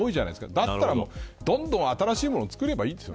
だったらどんどん新しいもの作ればいいんです。